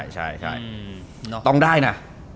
ใช่ต้องได้นะ